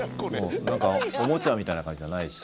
なんかおもちゃみたいな感じじゃないし。